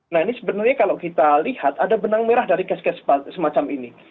nah ini sebenarnya kalau kita lihat ada benang merah dari kes kes semacam ini